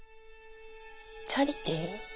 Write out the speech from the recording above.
チャリティ？